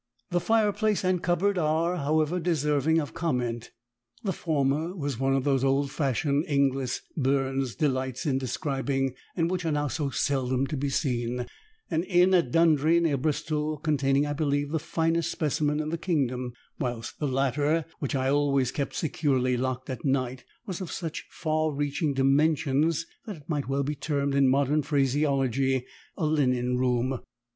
The fireplace and cupboard are, however, deserving of comment; the former was one of those old fashioned ingles Burns delights in describing, and which are now so seldom to be seen; an inn at Dundry, near Bristol, containing, I believe, the finest specimen in the kingdom; whilst the latter, which I always kept securely locked at night, was of such far reaching dimensions that it might well be termed in modern phraseology a linen room.